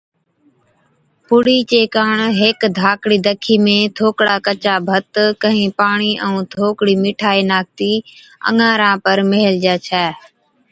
پُڙي چي ڪاڻ ھيڪ ڌاڪڙِي دکِي ۾ ٿوڪڙا ڪچا ڀت، ڪھِين پاڻِي ائُون ٿوڪڙِي مِٺائِي ناکتِي اڱاران پر ميھلجَي ڇَي